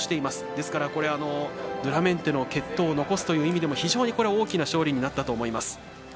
ですから、ドゥラメンテの血統を残す非常に大きな勝利になったと思います。